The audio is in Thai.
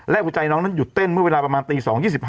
และหัวใจน้องนั้นหยุดเต้นเมื่อเวลาประมาณตี๒๒๕